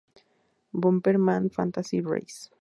Bomberman Fantasy Race